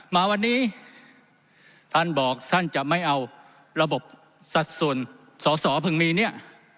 มาวันนี้ท่านบอกท่านจะไม่เอาระบบสัดส่วนสอสอเพิ่งมีเนี่ย